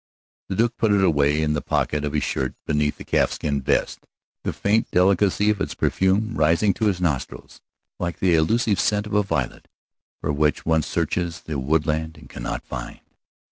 The Duke put it away in the pocket of his shirt beneath the calfskin vest, the faint delicacy of its perfume rising to his nostrils like the elusive scent of a violet for which one searches the woodland and cannot find.